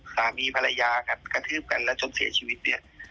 สามีภรรยากับกระทืบกันแล้วจนเสียชีวิตเนี่ย